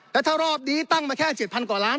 แล้วถ้ารอบนี้ตั้งมาแค่๗๐๐กว่าล้าน